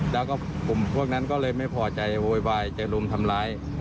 แล้วก็กลุ่มพวกนั้นก็เลยไม่พอใจโวยวายจะรุมทำร้าย